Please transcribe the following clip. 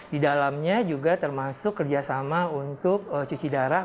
di dalamnya juga termasuk kerjasama untuk cuci darah